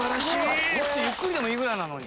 もっとゆっくりでもいいぐらいなのに。